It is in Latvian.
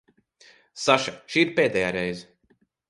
Saša, šī ir pēdējā reize.